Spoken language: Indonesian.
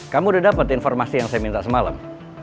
kamu udah dapat informasi yang saya minta semalam